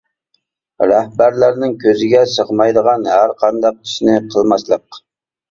رەھبەرلەرنىڭ كۆزىگە سىغمايدىغان ھەر قانداق ئىشنى قىلماسلىق.